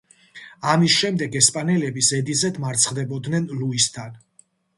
ამის შემდეგ ესპანელები ზედიზედ მარცხდებოდნენ ლუისთან.